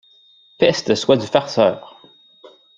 Peste soit du farceur!